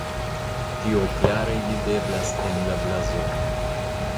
Tio klare videblas en la blazono.